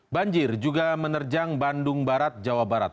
banjir juga menerjang bandung barat jawa barat